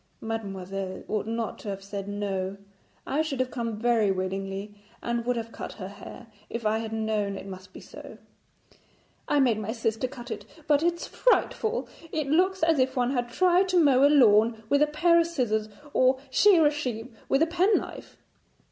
'Mademoiselle ought not to have said "no"; I should have come very willingly and would have cut her hair, if I had known it must be so.' 'I made my sister cut it, but it's frightful. It looks as if one had tried to mow a lawn with a pair of scissors, or shear a sheep with a penknife.'